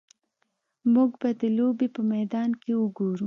موږ به د لوبې په میدان کې وګورو